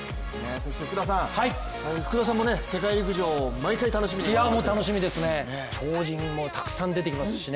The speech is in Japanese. そして福田さんも世界陸上、毎回楽しみにされてると。